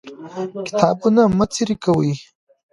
کتابونه مه څيرې کوئ.